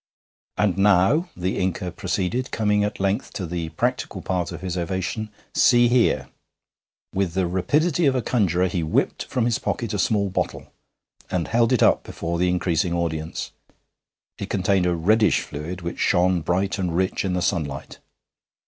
'And now,' the Inca proceeded, coming at length to the practical part of his ovation, 'see here!' With the rapidity of a conjurer he whipped from his pocket a small bottle, and held it up before the increasing audience. It contained a reddish fluid, which shone bright and rich in the sunlight.